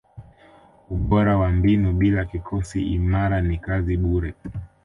ubora wa mbinu bila kikosi imara ni kazi bure